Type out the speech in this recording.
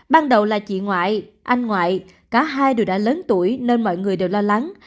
ban đầu là chị ngoại anh ngoại cả hai đều đã lớn tuổi nên mọi người đều lo lắng